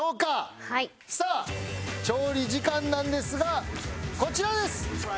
さあ調理時間なんですがこちらです！